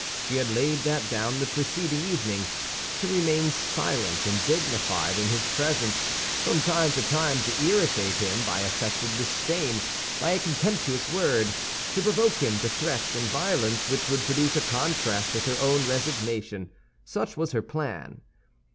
She had laid that down the preceding evening. To remain silent and dignified in his presence; from time to time to irritate him by affected disdain, by a contemptuous word; to provoke him to threats and violence which would produce a contrast with her own resignation—such was her plan.